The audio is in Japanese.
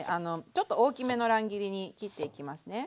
ちょっと大きめの乱切りに切っていきますね。